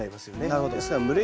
なるほど。